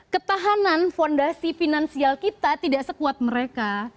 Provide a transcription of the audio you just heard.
ketahanan fondasi finansial kita tidak sekuat mereka